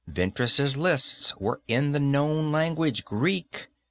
Ventris' lists were in the known language, Greek.